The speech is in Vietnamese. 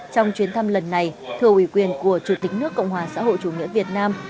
trong chuyến thăm lần này thừa ủy quyền của chủ tịch nước cộng hòa xã hội chủ nghĩa việt nam